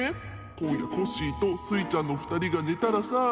こんやコッシーとスイちゃんのふたりがねたらさあ。